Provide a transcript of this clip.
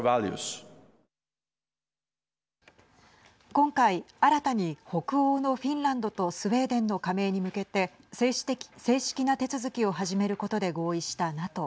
今回、新たに北欧のフィンランドとスウェーデンの加盟に向けて正式な手続きを始めることで合意したＮＡＴＯ。